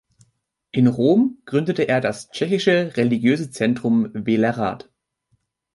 In Rom gründete er das „Tschechische Religiöse Zentrum Velehrad“.